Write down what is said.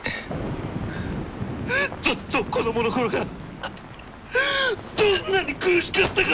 ずっと子どもの頃からどんなに苦しかったか！